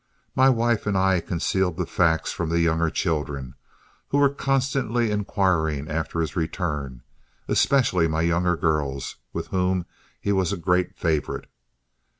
My wife and I concealed the facts from the younger children, who were constantly inquiring after his return, especially my younger girls, with whom he was a great favorite.